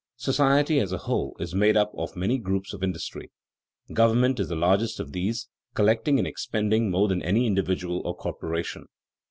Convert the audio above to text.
_ Society as a whole is made up of many groups of industry. Government is the largest of these, collecting and expending more than any individual or corporation.